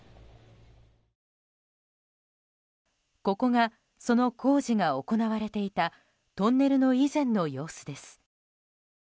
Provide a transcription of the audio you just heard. ここがその工事が行われていたトンネルの以前の様子です。